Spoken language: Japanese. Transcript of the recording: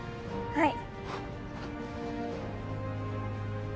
はい！